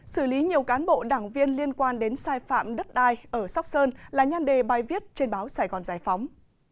xử lý nhiều cán bộ đảng viên liên quan đến sai phạm đất đai ở sóc sơn là nhan đề bài viết trên báo sài gòn giải phóng